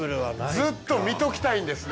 ずっと見ときたいんですね。